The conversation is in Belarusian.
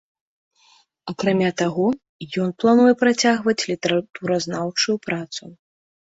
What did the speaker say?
Акрамя таго, ён плануе працягваць літаратуразнаўчую працу.